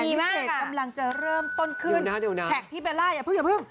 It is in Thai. นี่มันแบบภาษาตรงนี้มากค่ะต้นคืนอันแสนพิเศษกำลังจะเริ่มต้นคืน